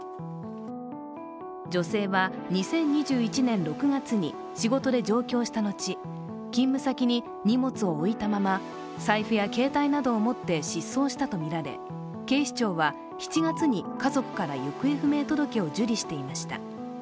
女性は２０２１年６月に仕事で上京した後、勤務先に荷物を置いたまま財布や携帯などを持って失踪したとみられ、警視庁は７月に家族から行方不明届を受理していました。